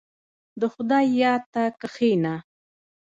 • د خدای یاد ته کښېنه.